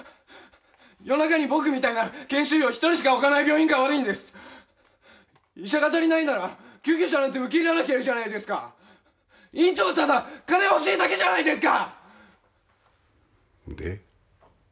夜中に僕みたいな研修医を一人しかおかない病院が悪いんだ医者が足りないなら救急車なんて受け入れなきゃいいのに院長はただ金が欲しいだけじゃないですかで？